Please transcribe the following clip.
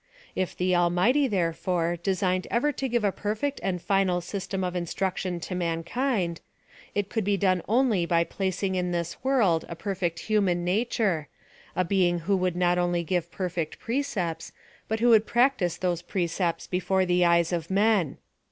If tlie Almighty, therefore, designed ever to give a perfect and final system of instruction to mankind, it could be done only by placing in this world a perfect human nature — a being who would not only give perfect precepts, but who would prac tise those precepts before the eyes of men.